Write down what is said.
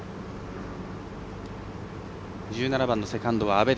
１７番のセカンドは阿部。